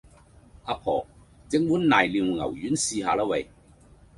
阿婆，整碗瀨尿牛丸試吓啦喂